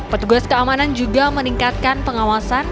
petugas keamanan juga meningkatkan pengawasan